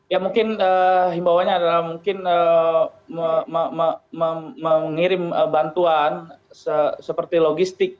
ya mungkin himbauannya adalah mungkin mengirim bantuan seperti logistik